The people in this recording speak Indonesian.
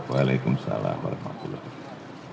waalaikumsalam warahmatullahi wabarakatuh